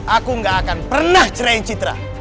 aku gak akan pernah cerai citra